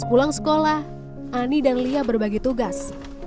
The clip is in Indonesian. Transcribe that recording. pulang sekolah ani dan lia berbagi tugas